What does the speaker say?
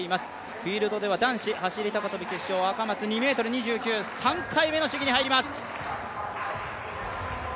フィールドでは男子走高跳、赤松２ｍ２９、３回目の試技に入ります。